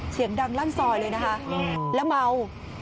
เสียงดังลั่นซอยเลยนะคะแล้วเมา